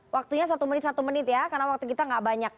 waktunya satu menit karena waktu kita tidak banyak